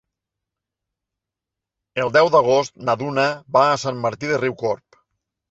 El deu d'agost na Duna va a Sant Martí de Riucorb.